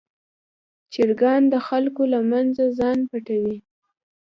چرګان د خلکو له منځه ځان نه پټوي.